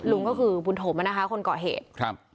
ลุงก็คือบุญถมนะคะคนก่อเหตุครับ